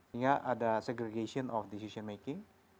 sehingga ada segregation of decision making